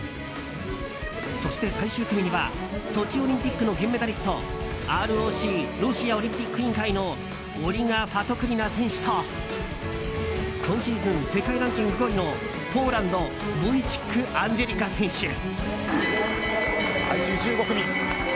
そして最終組にはソチオリンピックの銀メダリストＲＯＣ・ロシアオリンピック委員会のオリガ・ファトクリナ選手と今シーズン世界ランキング５位のポーランドボイチック・アンジェリカ選手。